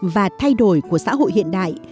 và thay đổi của xã hội hiện đại